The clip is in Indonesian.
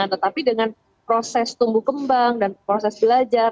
tetapi dengan proses tumbuh kembang dan proses belajar